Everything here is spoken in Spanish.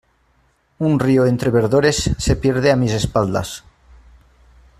Un río entre verdores se pierde a mis espaldas.